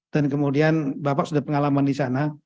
dan kemudian bapak sudah pengalaman di sana